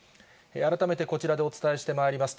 改めてこちらでお伝えしてまいります。